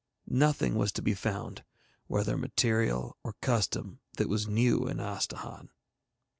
Nothing was to be found, whether material or custom, that was new in Astahahn.